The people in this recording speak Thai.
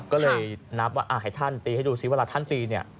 ก็เลยนับว่าให้ท่านตีให้ดูซิเวลาท่านตีเนี่ย